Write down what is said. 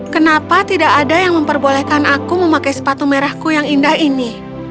kenapa tidak ada yang memperbolehkan aku memakai sepatu merahku yang indah ini